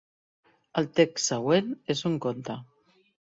El text següent és un conte.